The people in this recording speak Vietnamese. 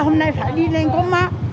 hôm nay phải đi lên có má